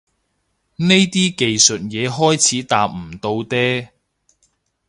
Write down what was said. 呢啲技術嘢開始搭唔到嗲